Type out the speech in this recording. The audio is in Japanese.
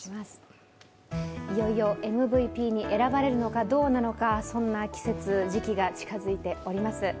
いよいよＭＶＰに選ばれるのかどうなのかそんな季節、時期が近づいております。